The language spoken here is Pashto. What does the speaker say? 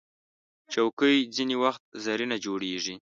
چوکۍ ځینې وخت زرینه جوړیږي.